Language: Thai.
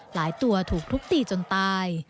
หลายตัวถูกทุกตีจนตาย